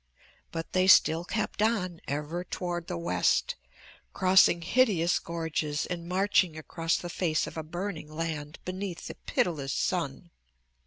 But they still kept on, ever toward the west, crossing hideous gorges and marching across the face of a burning land beneath the pitiless sun.